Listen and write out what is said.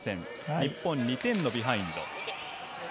日本、２点のビハインド。